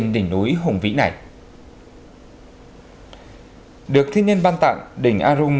được thiên nhân ban tặng đỉnh arung